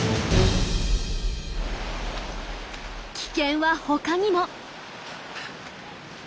危険は他にも。